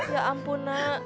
ya ampun nak